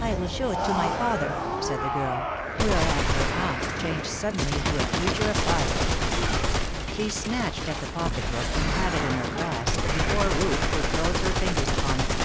"I will shew it to my father," said the girl; whereat her aunt changed suddenly into a creature of fire. She snatched at the pocket book and had it in her grasp before Ruth could close her fingers upon it.